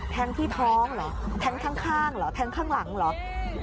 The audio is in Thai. แทงที่ท้องหรือแทงข้างหรือแทงข้างหลังหรือ